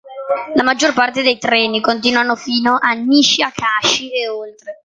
La maggior parte dei treni continuano fino a Nishi-Akashi e oltre.